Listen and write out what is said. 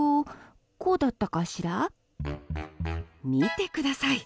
見てください。